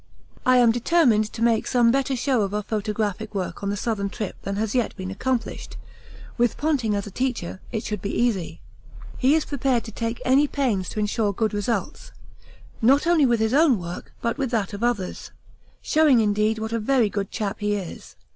I am determined to make some better show of our photographic work on the Southern trip than has yet been accomplished with Ponting as a teacher it should be easy. He is prepared to take any pains to ensure good results, not only with his own work but with that of others showing indeed what a very good chap he is.